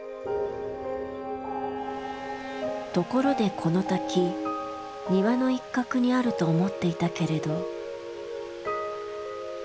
ところでこの滝庭の一角にあると思っていたけれど。